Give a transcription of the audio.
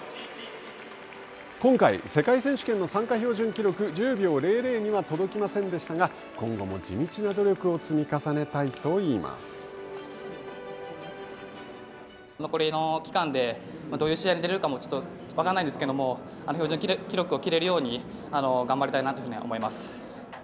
今回世界参加標準記録１０秒００には届きませんでしたが、今後も地道な努力を積み重ね残りの期間で、どういう試合に出れるかもちょっと分からないんですけれども標準記録を切れるように、頑張りたいなというふうには思います。